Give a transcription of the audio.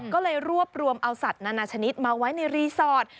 ก็เลยรวบรวมเอาสัตว์นานาชนิดมาไว้ในรีสอร์ท